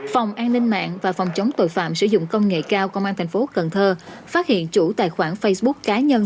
phòng an ninh mạng và phòng chống tội phạm sử dụng công nghệ cao công an tp cn phát hiện chủ tài khoản facebook cá nhân